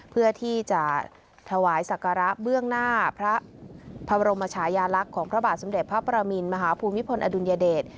เพื่อที่จะถวายศักระเบื้องหน้าพระบรมชายาลักษณ์ของพระบาทสมเด็จพระประมินมหาภูมิพลอดุลยเดช